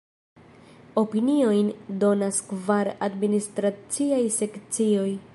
Opiniojn donas kvar administraciaj sekcioj.